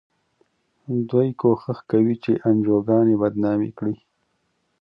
دوی کوښښ کوي چې انجوګانې بدنامې کړي.